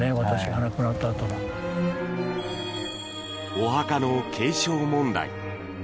お墓の継承問題。